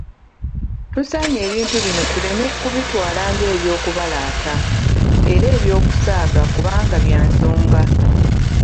Tusaanye ebintu bino tuleme kubitwala ng'ebyolubalaato, era eby'okusaaga kubanga bya nsonga !